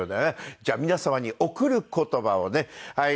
じゃあ皆様に「贈る言葉」をね。はい。